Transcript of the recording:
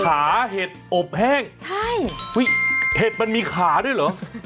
ขาเห็ดอบแห้งใช่เฮ้ยเห็ดมันมีขาด้วยเหรอ